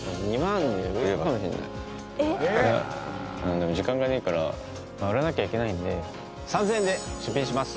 でも時間がねえからまぁ売らなきゃいけないんで３０００円で出品します。